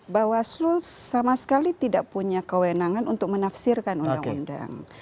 bawaslu sama sekali tidak punya kewenangan untuk menafsirkan undang undang